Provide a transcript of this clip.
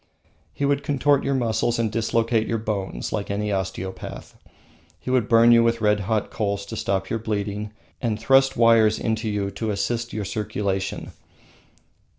He would contort your muscles and dislocate your bones like any osteopath. He would burn you with red hot coals to stop your bleeding, and thrust wires into you to assist your circulation.